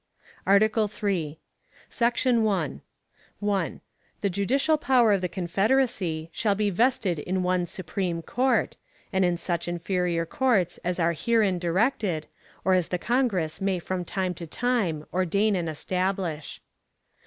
ARTICLE III. Section 1. 1. The judicial power of the Confederacy shall be vested in one Supreme Court, and in such inferior courts as are herein directed, or as the Congress may from time to time ordain and establish.